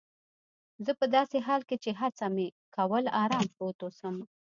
زه په داسې حال کې چي هڅه مې کول آرام پروت اوسم.